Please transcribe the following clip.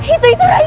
itu itu rai